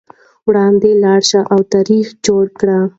وړاندې لاړ شئ او تاریخ جوړ کړئ.